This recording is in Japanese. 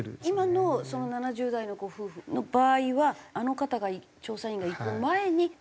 今のその７０代のご夫婦の場合はあの方が調査員が行く前に。